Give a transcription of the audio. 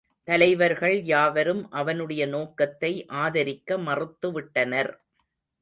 தலைவர்கள் யாவரும் அவனுடைய நோக்கத்தை ஆதரிக்க மறுத்துவிட்டனர்.